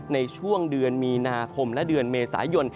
ในช่วงเดือนมีนาคมและเดือนเมษายน